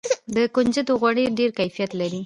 د کنجدو غوړي ډیر کیفیت لري.